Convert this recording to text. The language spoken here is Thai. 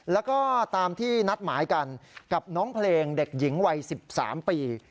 แล้วก็ตามที่นัดหมายกันกับน้องเพลงเด็กหญิงวัย๑๓ปี